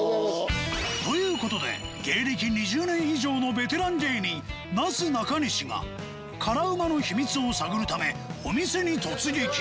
という事で芸歴２０年以上のベテラン芸人なすなかにしが辛ウマの秘密を探るためお店に突撃